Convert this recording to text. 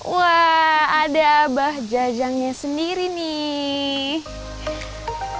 wah ada abah jajangnya sendiri nih